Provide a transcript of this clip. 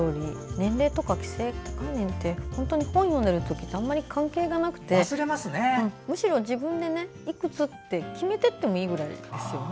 年齢とか既成概念って本当に本を読んでいる時はあんまり関係がなくてむしろ自分でいくつって決めてもいいぐらいですね。